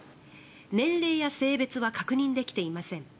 年齢や性別は確認できていません。